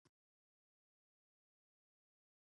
وبام ته راځی